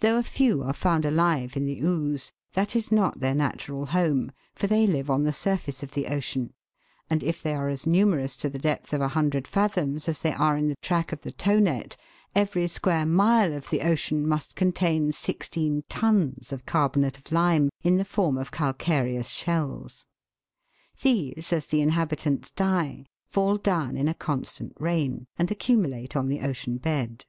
Though a few are found Fig. 28. FORAMINIFERAL SHELLS. alive in the ooze, that is not their natural home, for they live on the surface of the ocean, and if they are as numerous to the depth of 100 fathoms as they are in the track of the tow net, every square mile of the ocean must contain sixteen tons of carbonate of lime, in the form of calcareous shells. These, as the inhabitants die, fall down in a constant rain, and accumulate on the ocean bed.